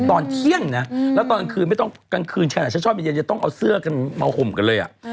ตอนเที่ยงนะแล้วตอนกลางคืนฉันชอบเย็นจะต้องเอาเสื้อเมาห่มกันเลย